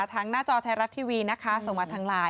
ทางหน้าจอไทยรัฐทีวีนะคะส่งมาทางไลน์